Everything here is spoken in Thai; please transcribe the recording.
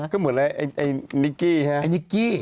ก็เหมือนอะไรไอ้นิกกี้ใช่ไหมไอ้นิกกี้